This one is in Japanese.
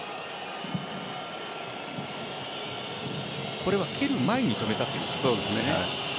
これは蹴る前に止めたということですね。